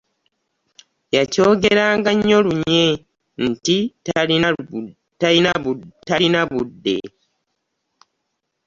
Yakyogeranga nnyo lunye nti talina budde.